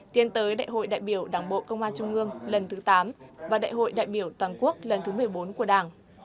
tiến tới đại hội đại biểu đảng bộ công an trung ương lần thứ tám và đại hội đại biểu toàn quốc lần thứ một mươi bốn của đảng